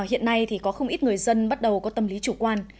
hiện nay thì có không ít người dân bắt đầu có tâm lý chủ quan